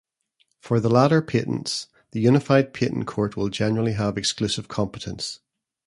For the latter patents, the Unified Patent Court will generally have exclusive competence.